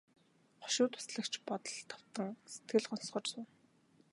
Хошуу туслагч бодолд автан сэтгэл гонсгор сууна.